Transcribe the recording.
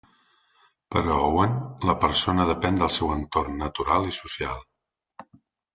Per a Owen, la persona depèn del seu entorn natural i social.